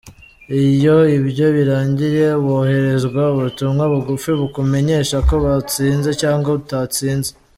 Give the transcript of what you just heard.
Iyo ibyo birangiye wohererezwa ubutumwa bugufi bukumenyesha ko watsinze cyangwa utatsinze.